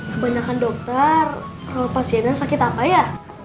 kebanyakan dokter kalau pasiennya sakit apa ya